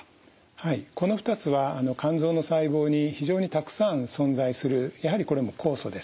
はいこの２つは肝臓の細胞に非常にたくさん存在するやはりこれも酵素です。